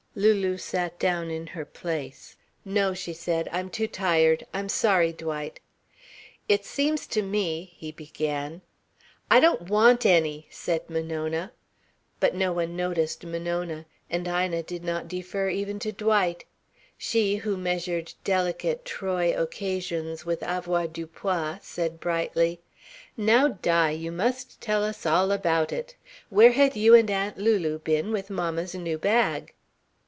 Lulu sat down in her place. "No," she said. "I'm too tired. I'm sorry, Dwight." "It seems to me " he began. "I don't want any," said Monona. But no one noticed Monona, and Ina did not defer even to Dwight. She, who measured delicate, troy occasions by avoirdupois, said brightly: "Now, Di. You must tell us all about it. Where had you and Aunt Lulu been with mamma's new bag?"